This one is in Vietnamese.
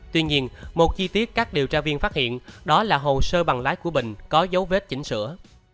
tuy nhiên một chi tiết các điều tra viên phát hiện đó là hồ sơ bằng lái của bình có dấu vết chỉnh sửa